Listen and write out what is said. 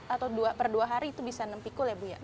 atau per dua hari itu bisa enam pikul ya bu ya